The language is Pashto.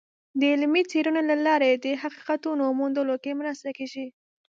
د علمي څیړنو له لارې د حقیقتونو موندلو کې مرسته کیږي.